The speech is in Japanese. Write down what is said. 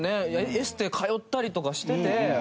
エステ通ったりとかしてて。